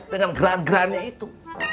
dengan geran gerannya itu